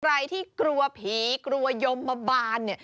ใครที่กลัวผีกลัวยมบาน